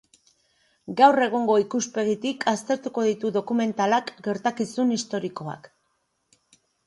Gaur egungo ikuspegitik aztertuko ditu dokumentalak gertakizun historikoak.